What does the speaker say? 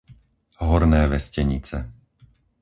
Horné Vestenice